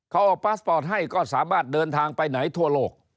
เขาเอาพาสปอร์ตให้ก็สามารถเดินทางไปไหนทั่วโลก